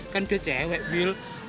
kan dia cewek will